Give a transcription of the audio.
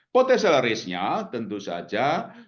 potensial risknya tentu saja